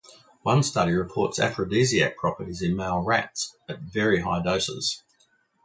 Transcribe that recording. One study reports aphrodisiac properties in male rats at very high doses.